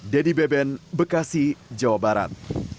dedy beben bekasi jawa barat